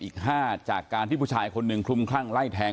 อีกห้าจากการที่ผู้ชายคนนึงคลุ่มคร่างไล่แทง